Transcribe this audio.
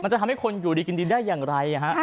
จะทำให้คนอยู่ดีกินดีได้อย่างไร